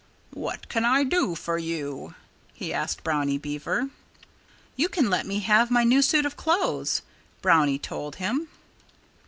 "What can I do for you?" he asked Brownie Beaver. "You can let me have my new suit of clothes," Brownie told him.